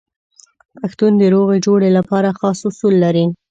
پښتون د روغې جوړې لپاره خاص اصول لري.